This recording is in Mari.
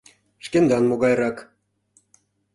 Шкендан могайрак?